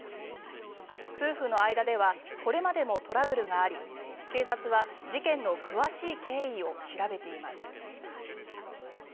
夫婦の間ではこれまでもトラブルがあり警察は事件の詳しい経緯を調べています。